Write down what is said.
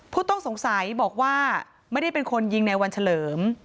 ผู้ต้องสงสัยบอกว่าไม่ได้เป็นคนยิงในวันเฉลิม